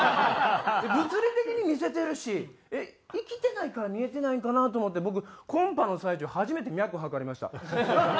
物理的に見せてるし生きてないから見えてないんかなと思って僕コンパの最中初めて脈測りました。